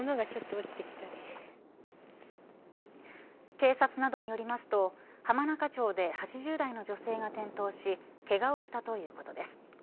警察などによりますと浜中町で８０代の女性が転倒しけがをしたということです。